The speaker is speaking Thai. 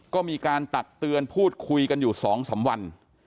ก็มีการตักเตือนพูดคุยกันอยู่๒๓วัน